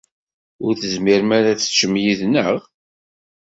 Ur tezmirem ara ad teččem yid-neɣ?